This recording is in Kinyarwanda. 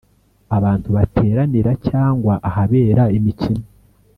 abantu bateranira cyangwa ahabera imikino